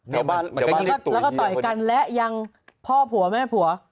แล้วก็ต่อยกันและยังพ่อผัวแม่ผัว